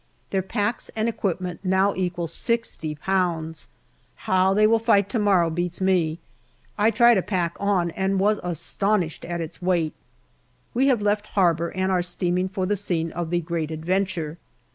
Their packs and equipment now equal sixty pounds. How they will fight to morrow beats me. I tried a pack on and was astonished at its weight. We have left harbour and are steaming for the scene of the great adventure.